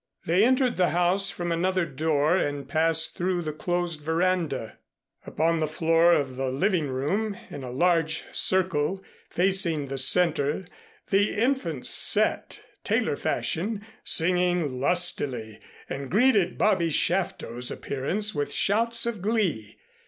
They entered the house from another door and passed through the closed veranda. Upon the floor of the living room, in a large circle facing the center, the infants sat, tailor fashion, singing lustily, and greeted Bobby Shafto's appearance with shouts of glee.